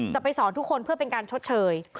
จะไปสอนทุกคนเพื่อเป็นการชดเชย